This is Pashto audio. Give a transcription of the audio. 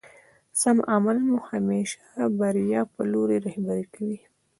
سم عمل مو همېش بريا په لوري رهبري کوي.